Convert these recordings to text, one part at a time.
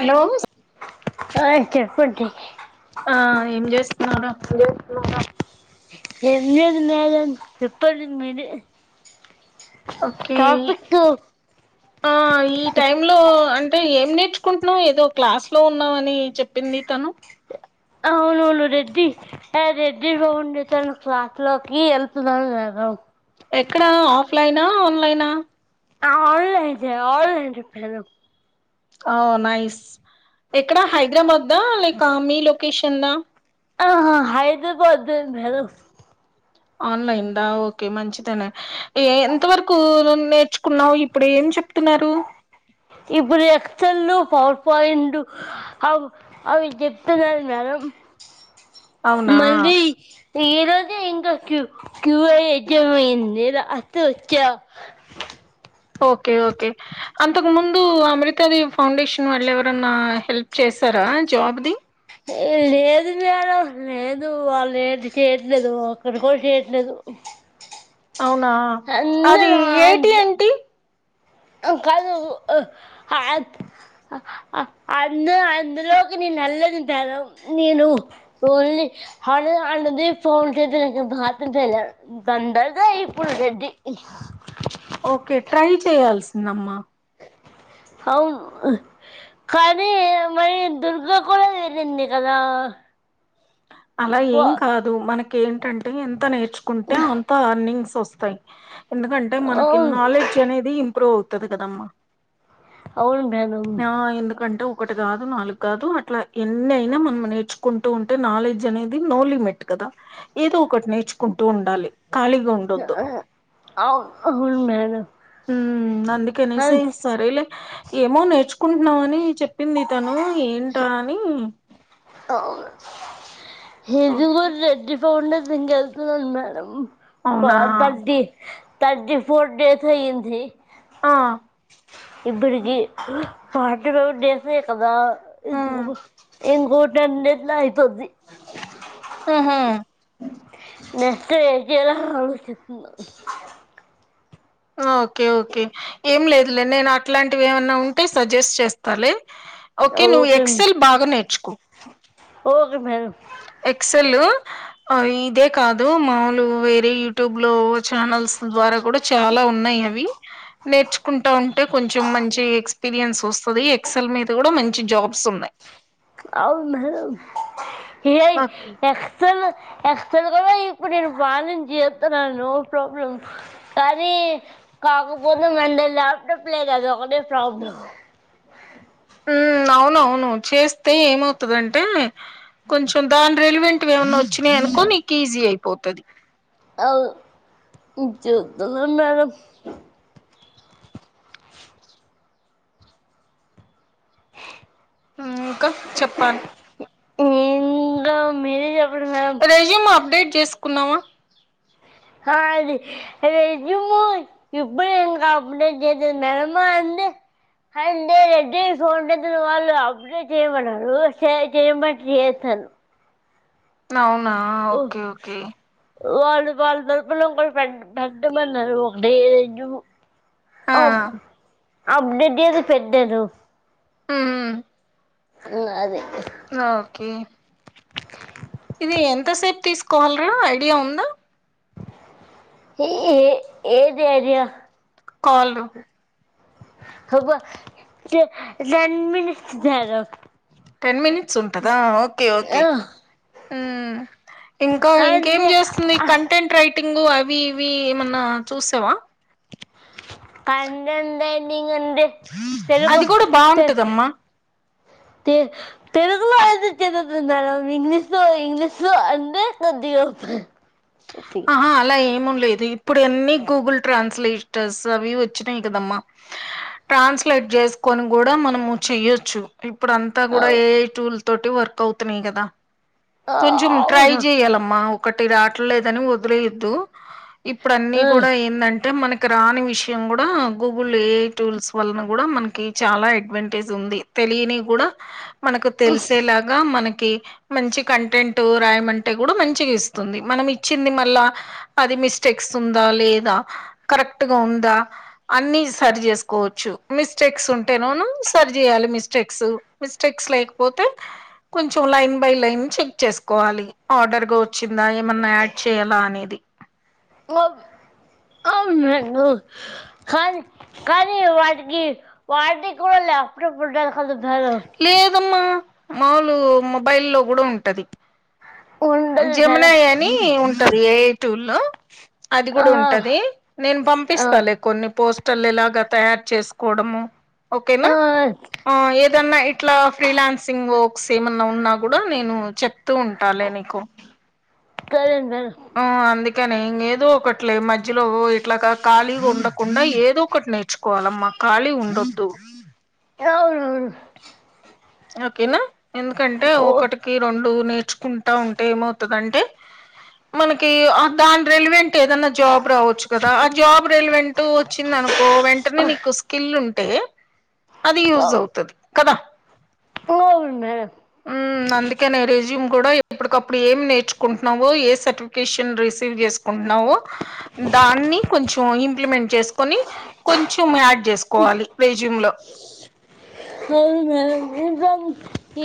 Hello ఆ, చెప్పండి ఆ ఏం చేస్తున్నాడు ఏం లేదు మేడమ్ చేపలు మీరే ఓకే టాపిక్ ఆ ఈ టైమ్ లో అంటే ఏం నేర్చు చసుకుంటున్నాం ఏదో క్లాస్ లో ఉన్నామని చెప్పింది తను నును రెడ్డి రెడ్డి బడి తన క్లాసలోకి హల్ప కథ ఎక్కడా ఆఫ్లైనా ఆన్లైనా న్లైన్ చే న్లైన్ ర పేలు ఆ నైస్ ఎక్కడ హైదరాబాద్ దా లైక్ మీ లొకేషన్ దా ఆహా హైదరాబాద్రు ఆన్లైన్ దా ఓకే మంచిదనే ఎంత వరకు నేర్చుకున్నావు ఇప్పుడు ఏం చెప్తున్నారు ఇప్పుడు ఎక్సలు పవర్ పాయింట్ అ అవి చెప్తున్నారు మర అవునా మల్ద ఏద అదిే ఇంకా క్యూ క్యూఐ ఎగ్జామ్ అయిందిఅత వచ్చా ఓకే ఓకే అంతకు ముందు అమృతాదిేవి ఫౌండేషన్ వాళ్ళు ఎవరన్నా హెల్ప్ చేసి సరా జాబ్ ది ఇ లేదు లేదు వాళ్ళు ఏంటి చేయట్లేదు అక్కడ కూడా చేయట్లేదు అవునా అది అందరూ ఏటి ఏంటి కాదు అందు అందులోకి నిను నల్లదింత నేను ఓన్లీ అ అంటది ఫోన్ చేతే నా భ దండగా ఇప్పుడు రెడ్డి ఓకే ట్రై చేయాల్సిందమ్మా అవును కానీ ఈ అమ్మాయి దుర్గ కూడా వెళ్ళింది కదా అలా ఏం కాదు మన కెంటంటే ఎంత నేర్చుకుంటే అంత అర్నింగ్స్ వస్తయ్ ఎందుకంటే మనకి అవును నాలెడ్జ్ అనేది ఇంప్రూవ్ అవుతది కదమ్మ అవును మేడం ఆ ఎందుకంటవ్ ఒకటి కాదు నాలుగు కాదు అట్ల ఎన్ని అయినా మనం నేర్చుకుంటూ ఉంటే నాలెడ్జ్ నాలెడ్జ్ అనేది నో లిమిట్ కదా ఏదో ఒకటి నేర్చుకుంటూ ఉండాలి ఖాళీగా ఉండొద్దు ఆహా అవు అవును మేడం అందుకనేసి హన్స్ సరేలే ఏమో నేర్చుకుంటున్నావ్ అని చెప్పింది తను ఏంటో అని అవును ఇది ఓకే కూడా రెడ్డి ఫౌండ్ ఇంక వెళ్తున్నాను మేడమ్ అవునా ఫోర్ తర్టీ తర్టీ ఫోర్డేస్ అయింది ఆ [inaudible] [inaudible] ఆ ఆహా నస్తేజలా. ఓకే ఓకే ఏం లేదులే నేను అట్లాంటివి ఏమన్నా ఉంటే సజెస్ట్ చేస్తాలి ఓకే నువ్వు ఎక్సెల్ బాగా నేర్చుకో ఒకే మేడం అసలు ఇదే కాదు మాములు వేరే యూట్యూబ్ లో ఛానల్స్ ద్వారా కూడా చాలా ఉన్నాయి అవి నేర్చుకుంటా ఉ అంటే కొంచెం మంచి ఎక్స్పీరియన్స్ వస్తుంది ఎక్సల్ మీద కూడా మంచి జాబ్స్ ఉన్నాయి అవు ఏ ఎ నాకు ఎసల్ ఎక్సల్గా ఇప్పుడు నేను బాగాను చేస్తున్నాను నో ప్రాబ్లమ్ కానీ కాకపోతే మంద ల్యాప్టాప్ లేదుది ఒకటే ప్రాబ్లం [unintelligible] ఉ అవునవును చేస్తే ఏమవుతుందంటే కొంచెం దాని రెలివెంట్ ఏమన్నా వచ్చినా అనుకో నీకు ఈజీ అయిపోతుది అ చదున్నాడం ఇంకా చెప్పాలి ఇింగమిల్ రజీమా అప్డేట్ చేసుకున్నావా అది ఇప్పుడుంకా అప్డే చే నిలమా [inaudible] అే రెడ్డి ఫోన్ వాళ్ళు అప్పుడే చేయమారు చేయమ చే హలో అవునా ఓకే ఓకే వాళ్ళు వాళ తరపున ఇ పె పెట్టమన్నారు ఒకటే ఆ అ అప్పుడట్ అది పెద్దారు ఆ అదే ఓకే ఇది ఎంతసేపు తీసుకోవాలరా ఐడియా ఉందా. ఈ ఏ ఏది ఐడియా కాలు హబ దాన్మని టెన్ మినిట్స్ ఉంటందా ఓకే ఓకే ఇంకా ఇంకేం అంటే చేస్తుంది కంటెంట్ రైట్ టింగు అవి ఇవి ఏమన్నా చూసావా కందందే ఎ అది కూడా బాగుంటదమ్మా తె తెలుగులో అయితే చదువుతది మేడం ఇంగ్లీష్ లో ఇంగ్లీష్ లో అంటే కొద్దిగా త్రే ఆహా అలా ఏము లేదు ఇప్పుడు అన్ని గూగుల్ ట్రాన్స్లేషర్స్ అవి ఇవి వచ్చినాయి కదమ్మా ట్రాన్స్లేట్ చేసుకొని కూడా మనము చెయొచ్చు. ఇప్పుడు అంతా కూడా ఏ టూల్ తోటి వర్క్ అవుతున్నాయి. కదా కొంచెం ట్రై అవును చేయాలమ్మా ఒకటి రావట్లేదని వదిలేయొద్దు ఇప్పుడు అన్నీ కూడా ఏంది అం టే మనకి రాని విషయం కూడా గూగుల్ ఏ టూల్స్ వలన కూడా మనకి చాలా అడ్వాంటేజ్ ఉం ది తెలియని కూడా మనకు తెలిసేలాగా మనకి మంచి కంటెంట్ రాయమంటే కూడా మంచిగా ఇస్తుంది మనం ఇచ్చింది మళ్ళా అది మిస్టేక్స్ ఉందా లేదా కరెక్ట్ గా ఉందా. అన్ని సరి చేసుకోవచ్చు మిస్టేక్స్ ఉంటేనోను సరి చేయాలి. మిస్టేక్స్ మిస్టేక్స్ లేకపోతే కొంచెం లైన్ బై లైన్ చెక్ చేసుకోవాలి. ఆడర్ గా వచ్చిందా ఏం ఏమన్నా యాడ్ చేయాలా అనేది ఓగు అవునను కానీ కానీ వాటికి వాటి కూడా లే అప్పుడప్పుడ లేదమ్మా మాములు మొబైల్ లో కూడా ఉంటది. ఉండాలి కదా మేడం ఉండదు జమున మేడం ఎ అని ఉంటది. ఏ టూ లో అది ఆ కూడా ఉంటది. నేను ఆ పంపిస్తా లే కొన్ని పోసు స్టర్లు ఎలాగా తయారు చేసుకోవడం. ఓకేనా ఆ హా ఎఏ ఇట్లా ఫ్రీలాన్సింగ్ వర్క్స్ ఏమన్నా ఉన్నా కూడా నేను చెప్తూ ఉంటా లే నీకు ధరన్ ఉ అంది ఇకా నే ఇంగా ఏదో ఒకటిలే మధ్యలో ఓ ఇట్లా ఖాళీగా ఉండకుండా ఏదో ఒకటి నేర్చుకోవాలమ్మా. కాళి ఉండద్దు నవునవును ఓకేనా ఎందుకంటే ఒకటికి రెండు టు నేర్చుకుంటా ఉంటే ఏమవుతదంటే మనకి దాని రెలివెంట్ టే ఏదన్నా జాబ్ రావచ్చు కదా ఆ జాబ్ రెలివెంట్ వచ్చింది అనుకో వెంటనే నీకు స్కిల్ ఉం టే అది యూజ్ అవుతది కదా పోవన్న ఉమ్ అందుకనే రెజ్యూమ్ కూడా ఎప్పటికప్పుడు ఏం నేర్చుకుంటున్నావో ఏ సర్టిఫికేషన్ రీస్ సేవ్ చేసుకుంటున్నావు దాన్ని కొంచెం కొ ఇంప్లిమెంట్ చేసుకొని కొంచెం యాడ్ చేసుకోవాలి. రేజ్యూమ్ లో హల్ మే నిజం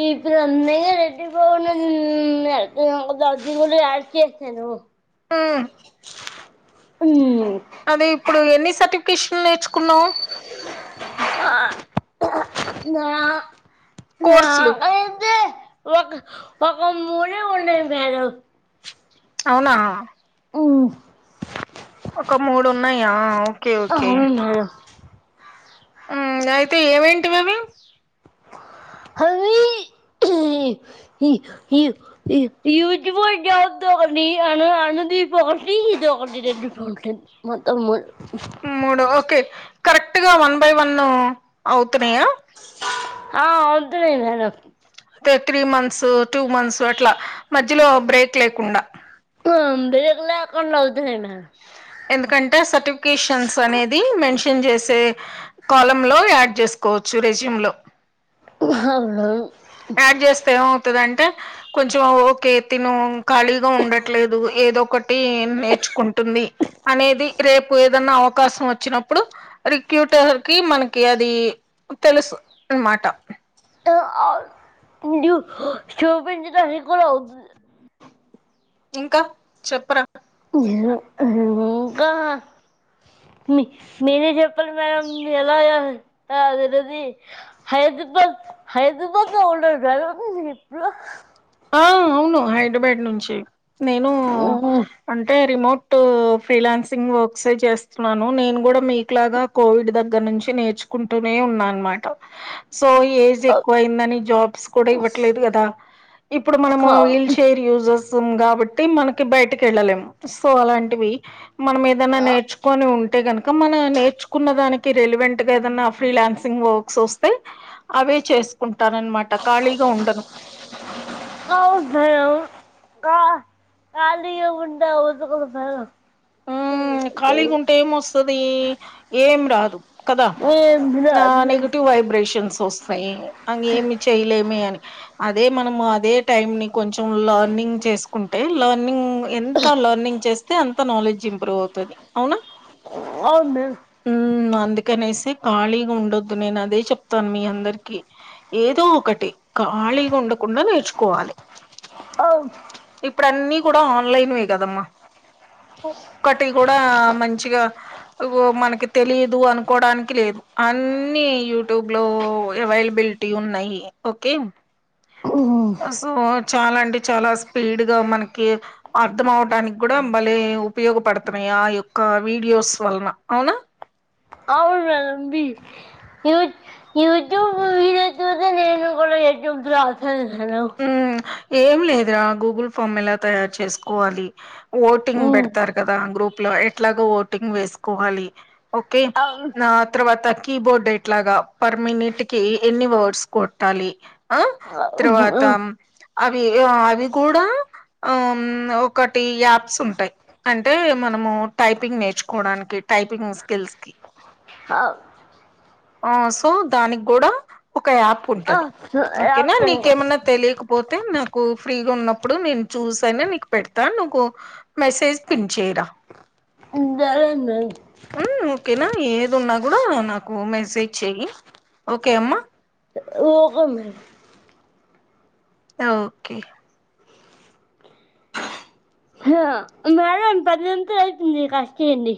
ఈ భ్రమ్ మే ఎటు పో నన్నా అది కూడా యాడ్ చేశాను ఉమ్ ఉ అదే ఇప్పుడు ఎన్ని సర్టిఫికేషన్లు నేర్చుకున్నావు ఆ నా నా కోర్సులు ఆ ఇద్దే ఒక ఒక మూడే ఉన్నాయి బేదం అవునా ఉ ఒక మూడు ఉన్నాయా ఓకే ఓకే అవునా ఆ నయితే ఏవిఏంటివి అవి హల్వి ఇహి హి హిర్ ఇర్ ఈయూదు వొయ్ గౌతమ్ ని అను అనుదీప్ ఈ పోటీ జో డిడిడ్ జోకే మొత్తం మల్ మూడు ఓకే కరెక్ట్ గా వన్ బై వన్ అవుతున్నాయా ఆ అవుతున్నాయి మేడం తే త్రీ మంత్స్ టూ మంత్స్ అట్లా మధ్యలో బ్రేక్ లేకుండా మామ్ బ్రేక్ లేకుండా వద్దు లేండి ఆహ ఎందుకంటే సర్టిఫికేషన్స్ అనేది మెన్షన్ చేసే కాలం లో యాడ్ చేసు కోచ్ రెజ్యూమ్ లో ఉహవు యాడ్ చేస్తే ఏమవుతది అ కొంచెం ఓకే తిను ఖాళీగా ఉండట్లేదు ఏదో ఒకటి నేర్చుకుంటుంది అనేది రేపు ఏదన్నా అవకాశం వచ్చినప్పుడు రిక్యూటర్ కి మనకి అది తెలుసు అమా మాట [unintelligible] ఇంకా చెప్పరా ఇంకా మీరే చెప్ చెప్పలు మ్యాడం ఎలాయా ద రది హైదరాబాద్ హైదరాబాద్న్న గర ఎప్పు ఆ అవును హైదరాబాద్ నుంచి నేను అంటే రిమోట్ ఫ్రీలాన్సింగ్ వర్క్స్ చేస్తున్నాను నేను కూడా మీకు లాగా కోవిడ్ దగ్గర నుంచి నేర్చుకుంటూనే ఉన్నా అనమాట సో ఏజ్ ఎక్కువ అయిందని జాబ్స్ కూడా ఇవ్వట్లేదు కదా ఇప్పుడు మనము వీల్ ఖాళీగా చైర్ య స్తాం కాబట్టి మనకి బయటికి వెళ్ళలేము సో అలాంటివి మనం ఏదన్నా నేర్చుకొని ఉంటే గనుక మన నేర్చుకున్న దానికి రెలివెంట్ గా ఏదన్నా ఫ్రీలాన్స్ సింగ్క్స్ వస్తే అవే చేసుకుంటారునమాట ఖాళీగా ఉండను ఆహా కా కాలి గా ఉండవా ఖాళీగా ఉంటే ఏం వస్తది ఏం రాదు కదా ఏం నా రాదు మేడం నెగిటివ్ వైబ్రేషన్స్ వస్తాయి అ ఏమి చేయలేమే అని అదే మనం అదే టైం ని కొంచెం లర్నింగ్ చేసుకుంటే లర్నింగ్ ఎంత లర్నింగ్ చేస్తే అంత నాలెడ్జ్ ఇంప్రూవ్ అవుతది అవునా అవును మ్మ్ అందుకనేసి ఖాళీగా ఉండొద్దు నేను అదే చెప్తాను మీ అందరికి ఏదో ఒకటి ఖాళీగా ఉండకుండా నేర్చుకోవాలి అవును ఇప్పుడన్నీ కూడా ఆన్లైన్ వే కదమ్మా టి కూడా మంచిగా మనకి తెలిదు అనుకోడానికి లేదు అన్ని యూట్యూబ్ లో అవైలబిలిటీ ఉన్నాయి ఓకే సో చాలా అంటె చాలా స్పీడ్ గా మనకి అర్ధం అవటానికి కూడా భలే ఉపయోగపడుతున్నాయా ఆ యొక్క వీడియోస్ వలన అవునా అవును మేడమ్ యూట్యూబ్ వీడియోస్ చూసే నేను కూడా ఎగ్జామ్స్ రాశాను మేడమ్ హ్మ్ ఏం లేదురా గూగుల్ ఫామ్ ఎలా తయారు చేసుకోవాలి ఓటింగ్ మ్మ్ పెడతారు కదా గ్రూప్ లో ఎట్లాగా ఓటింగ్ వేసుకోవాలి ఓకే అవును తర్వాత కీబోర్డ్ ఎట్లాగా పర్ మనిట్ కి ఎన్ని వర్డ్స్ కొట్టాలి ఆ తర్వాత మ్మ్ అవి అవి కూడా. ఆ ఒకటి యాప్స్ ఉంటాయి అంటే మనము టైపింగ్ నేర్చుకోవడానికి టైపింగ్ స్కిల్స్ కి అ ఆ సో దానికి కూడా ఒక యాప్ ఉంటది ఓకేనా రాత్రండి నీకేమన్నా తెలియకు పోతే నాకు ఫ్రీగా ఉన్నప్పుడు నేను చూసి అయినా నీకు పెడతా నాకు మెసేజ్ పిన్ చే సరే మేడం ఓకేనా ఏదున్నా కూడా నాకు ఓ మెసేజ్ చెయ్య ఓకే అమ్మ ఓకే మేడం ఓకే పదింత అవుతుంది కష్టయండి